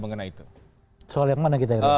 mengenai itu soal yang mana kita harus